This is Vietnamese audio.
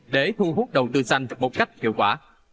để thu hút đầu tư xanh một cách hiệu quả